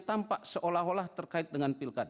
tampak seolah olah terkait dengan pilkada